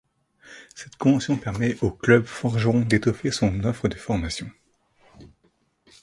Cette convention permet au club forgeron d’étoffer son offre de formation.